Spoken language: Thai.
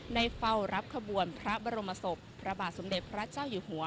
ได้เฝ้ารับขบวนพระบรมศพพระบาทสมเด็จพระเจ้าอยู่หัว